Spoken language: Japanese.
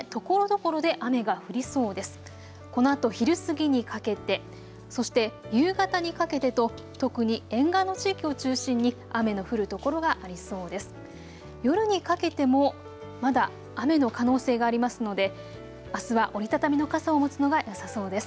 このあと昼過ぎにかけて、そして夕方にかけてと特に沿岸の地域を中心に雨の降る所がありそうです。